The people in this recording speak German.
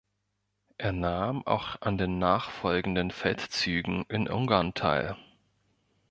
Er nahm auch an den nachfolgenden Feldzügen in Ungarn teil.